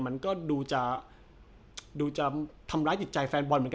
มันก็ดูจะดูจะทำร้ายจิตใจแฟนบอลเหมือนกัน